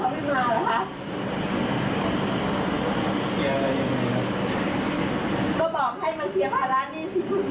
ส่วนราชการทำแต่ไม่คิด